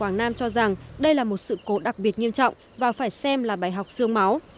và phải xem là bài học dương máu